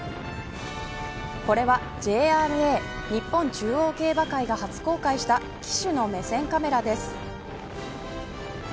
これは、ＪＲＡ日本中央競馬会が初公開した騎手の目線カメラです。